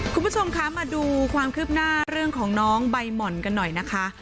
คุณผู้ชมคะมาดูความคืบหน้าเรื่องของน้องใบหม่อนกันหน่อยนะคะ